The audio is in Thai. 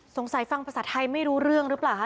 สงสัยฟังภาษาไทยไม่รู้เรื่องหรือเปล่าคะ